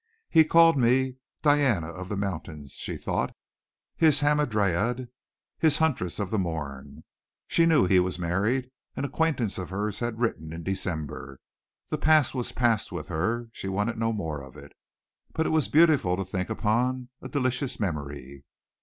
"He called me 'Diana of the Mountains,'" she thought, "his 'hamadryad,' his 'huntress of the morn.'" She knew he was married. An acquaintance of hers had written in December. The past was past with her she wanted no more of it. But it was beautiful to think upon a delicious memory.